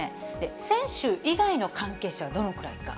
選手以外の関係者はどのくらいか。